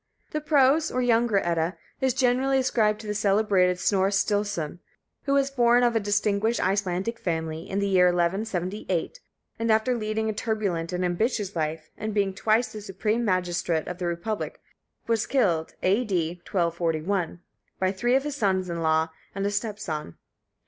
The Prose, or Younger Edda, is generally ascribed to the celebrated Snorre Sturleson, who was born of a distinguished Icelandic family, in the year 1178, and after leading a turbulent and ambitious life, and being twice the supreme magistrate of the Republic, was killed A.D. 1241, by three of his sons in law and a stepson.